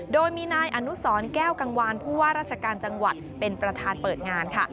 โดยมีนายอนุสรแก้วกังวานผู้ว่าราชการจังหวัดเป็นประธานเปิดงานค่ะ